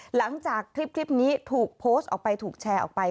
หลังจากคลิปนี้ถูกโพสต์ออกไปถูกแชร์ออกไป